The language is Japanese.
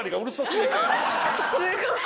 すごい！